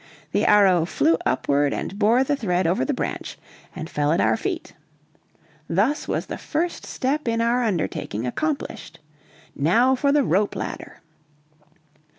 The arrow flew upward and bore the thread over the branch and fell at our feet. Thus was the first step in our undertaking accomplished. Now for the rope ladder!